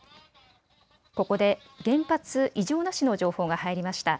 ここで原発異常なしの情報が入りました。